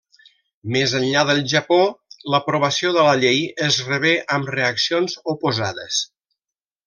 Més enllà del Japó, l'aprovació de la llei es rebé amb reaccions oposades.